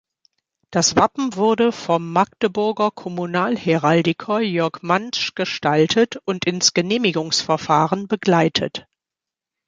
Das Wappen wurde vom Magdeburger Kommunalheraldiker Jörg Mantzsch gestaltet und ins Genehmigungsverfahren begleitet.